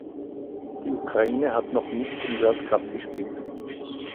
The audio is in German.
Die Ukraine hat noch nicht im World Cup gespielt.